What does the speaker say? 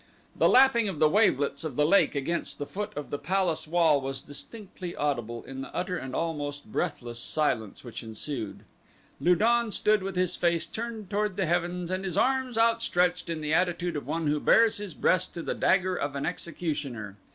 The lapping of the wavelets of the lake against the foot of the palace wall was distinctly audible in the utter and almost breathless silence which ensued. Lu don stood with his face turned toward the heavens and his arms outstretched in the attitude of one who bares his breast to the dagger of an executioner.